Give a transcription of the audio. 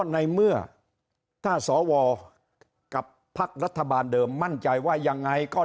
ในเมื่อถ้าสวกับพักรัฐบาลเดิมมั่นใจว่ายังไงก็